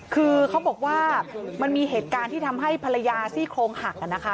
คือเขาบอกว่ามันมีเหตุการณ์ที่ทำให้ภรรยาซี่โครงหักนะคะ